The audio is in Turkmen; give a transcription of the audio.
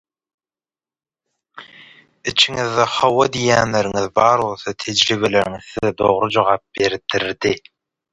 Içiňizde "hawa" diýýänleriňiz bar bolsa tejribeleriňiz size dogry jogaby berdirdi.